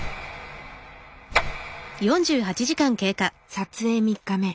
撮影３日目。